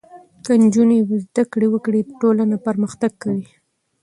که نجونې زده کړې وکړي ټولنه پرمختګ کوي.